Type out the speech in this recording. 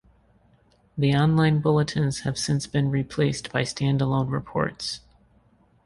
The online bulletins have since been replaced by stand-alone reports.